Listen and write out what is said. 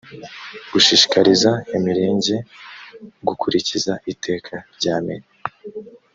gushishikariza imirenge gukurikiza iteka rya meya